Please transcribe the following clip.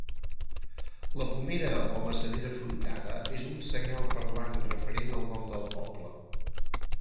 La pomera o maçanera fruitada és un senyal parlant referent al nom del poble.